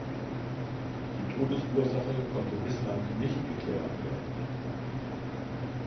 Die Todesursache konnte bislang nicht geklärt werden.